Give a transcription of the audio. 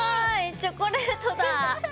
チョコレートだ。